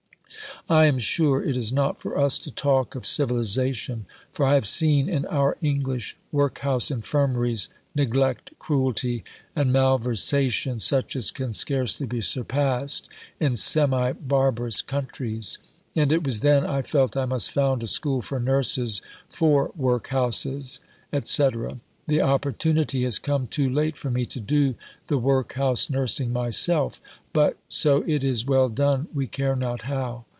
I am sure it is not for us to talk of Civilization. For I have seen, in our English Workhouse Infirmaries, neglect, cruelty, and malversation such as can scarcely be surpassed in semi barbarous countries. And it was then I felt I must found a school for Nurses for Workhouses, &c. The opportunity has come too late for me to do the Workhouse Nursing myself. But, so it is well done, we care not how.